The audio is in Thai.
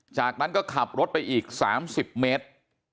จากนั้นก็ขับรถไปอีก๓๐เมตร